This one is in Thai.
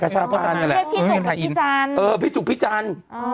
พี่จุ๊กไม้พี่จันเออพี่จุ๊กพี่จัน